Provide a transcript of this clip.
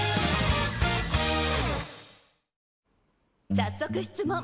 早速質問！